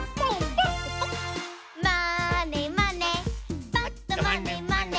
「まーねまねぱっとまねまね」